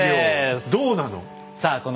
どうなの？